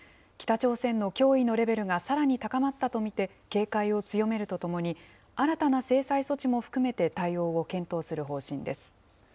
北朝鮮の脅威のレベルがさらに高まったと見て、警戒を強めるとともに、新たな制裁措置も含めて対応を検討する方針です。